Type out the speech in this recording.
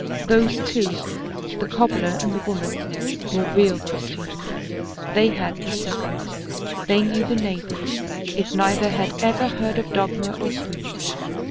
Those two, the cobbler and the woman, were real Christians. They had the secret. They knew the neighbor, if neither had ever heard of dogma or creed.